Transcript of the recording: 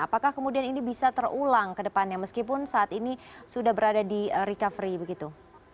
apakah kemudian ini bisa terulang ke depannya meskipun saat ini sudah berada di recovery begitu